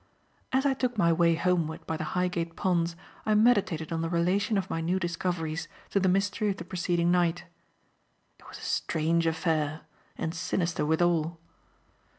As I took my way homeward by the Highgate Ponds I meditated on the relation of my new discoveries to the mystery of the preceding night. It was a strange affair, and sinister withal.